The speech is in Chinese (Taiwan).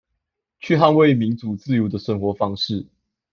去捍衛民主自由的生活方式